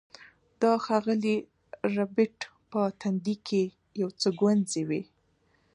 د ښاغلي ربیټ په تندي کې یو څه ګونځې وې